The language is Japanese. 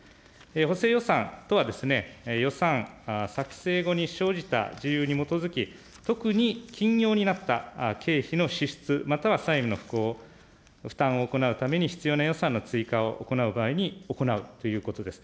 補正予算とは予算作成後に生じた事由に基づき、特に緊要になった経費の支出、または債務の負担を行うために必要な予算の追加を行う場合に行うということです。